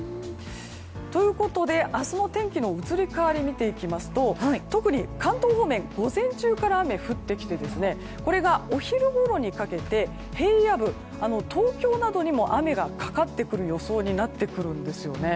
ということで、明日の天気の移り変わりを見ていきますと特に関東方面は午前中から雨が降ってきてこれがお昼ごろにかけて平野部東京などにも雨がかかってくる予想になってくるんですよね。